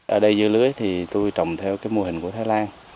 ở đây dưa lưới thì tôi trồng theo cái mô hình của thái lan